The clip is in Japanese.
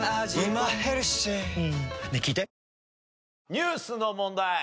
ニュースの問題。